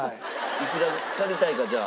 いくら借りたいかじゃあ。